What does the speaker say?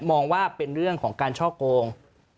มองว่าเป็นเรื่องของการช่อโกง